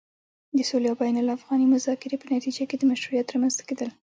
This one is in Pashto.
د سولې او بين الافغاني مذاکرې په نتيجه کې د مشروعيت رامنځته کېدل